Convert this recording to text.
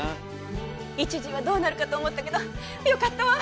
一時はどうなるかと思ったけどよかったわ！